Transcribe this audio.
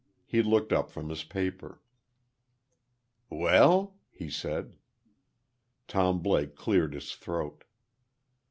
He looked up from his paper. "Well?" he said. Tom Blake cleared his throat.